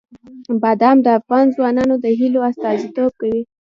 بادام د افغان ځوانانو د هیلو استازیتوب کوي.